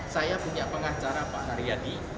saya punya pengacara pak haryadi